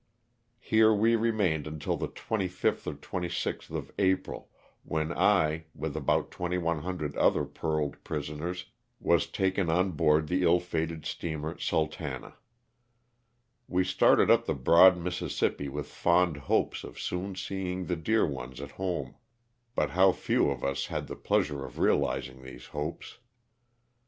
Here we remained until the 25th or '^MJth of April, when I, with about 2,100 other paroled prisoners, was taken on board the ill fated steamer *' 8ultaua." Wo started up the broad Mississippi with fond hopes of soon seeing the dear ones at home, but how few of us had the pleasure of realizing these hopes.